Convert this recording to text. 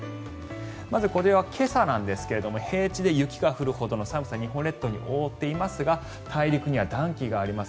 まず、これは今朝なんですが平地で雪が降るほどの寒さが日本列島を覆っていますが大陸には暖気があります。